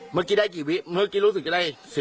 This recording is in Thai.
เมื่อกี้ได้กี่วินาทีเมื่อกี้รู้สึกจะได้๑๐วินาที